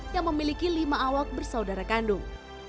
yang memiliki lima awak bersaudara kandung